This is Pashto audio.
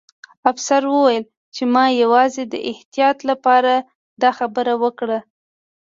افسر وویل چې ما یوازې د احتیاط لپاره دا خبره وکړه